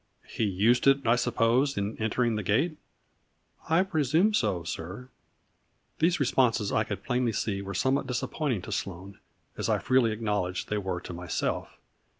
" He used it, I suppose, in entering the gate ?"" I presume so, sir." These responses I could plainly see were somewhat disappointing to Sloane, as I freely acknowledge they were to myself.